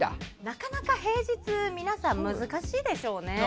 なかなか平日は皆さん、難しいでしょうね。